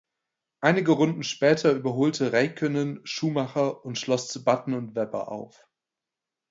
Einige Runden später überholte Räikkönen Schumacher und schloss zu Button und Webber auf.